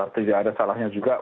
tidak ada salahnya juga